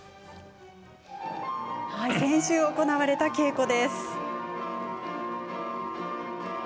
こちらは先週行われた稽古です。